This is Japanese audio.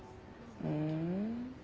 ふん。